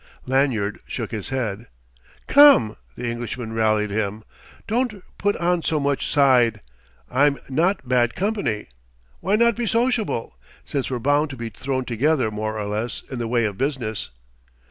Lanyard shook his head. "Come!" the Englishman rallied him. "Don't put on so much side. I'm not bad company. Why not be sociable, since we're bound to be thrown together more or less in the way of business."